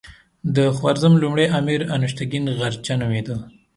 د خوارزم لومړی امیر انوشتګین غرجه نومېده.